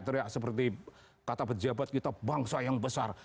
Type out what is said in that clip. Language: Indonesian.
teriak seperti kata pejabat kita bangsa yang besar